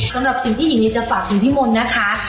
สำหรับสิ่งที่หญิงลีจะฝากถึงพี่มนต์นะคะ